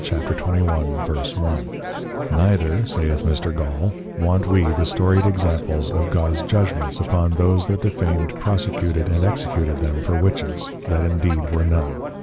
21.1._ Neither (saith Mr. Gaule) _want we the storied Examples of God's Judgments upon those that defamed, prosecuted and executed them for Witches, that indeed were none.